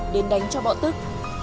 đến đánh cho bỏ tức